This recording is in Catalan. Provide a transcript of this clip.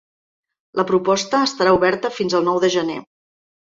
La proposta estarà oberta fins al nou de gener.